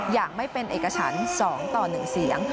อย่างไม่เป็นเอกฉัน๒ต่อ๑เสียง